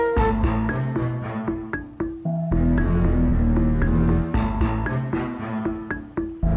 nomek itu di gadis itu